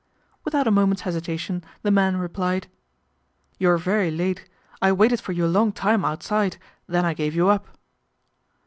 Without a moment's hesitation the man replied, " You're very late. I waited for you a long time outside, then I gave you up."